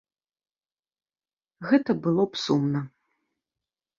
Гэта б было сумна.